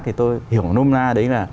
thì tôi hiểu nôm na đấy là